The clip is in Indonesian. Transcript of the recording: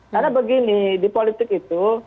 karena begini di politik itu